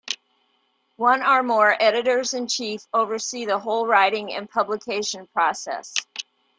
One or more Editors-in-Chief oversee the whole writing and publication process.